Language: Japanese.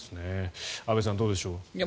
安部さん、どうでしょう。